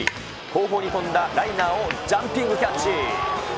後方に飛んだライナーをジャンピングキャッチ。